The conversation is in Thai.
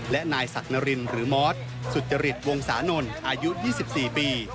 และนายศักดิ์นรินหรือมอสสุจริตวงศานนท์อายุ๒๔ปี